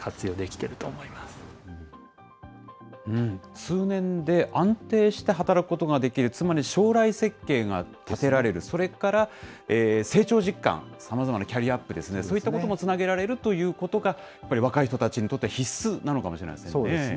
通年で安定して働くことができる、つまり将来設計が立てられる、それから成長実感、さまざまなキャリアアップですね、そういったこともつなげられるということが、やっぱり若い人たちにとっては必須なのかもしれませんね。